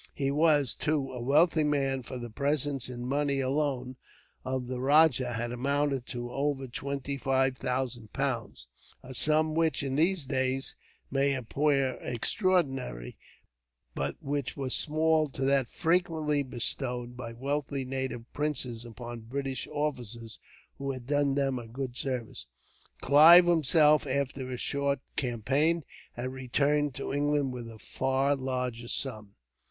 He was, too, a wealthy man; for the presents in money, alone, of the rajah, had amounted to over twenty five thousand pounds; a sum which, in these days, may appear extraordinary, but which was small to that frequently bestowed, by wealthy native princes, upon British officers who had done them a good service. Clive himself, after his short campaign, had returned to England with a far larger sum.